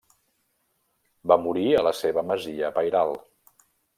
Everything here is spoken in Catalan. Va morir a la seva masia pairal.